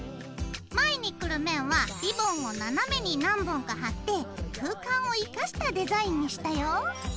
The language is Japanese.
前にくる面はリボンを斜めに何本か貼って空間を生かしたデザインにしたよ。